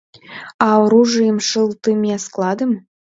«А оружийым шылтыме складым?»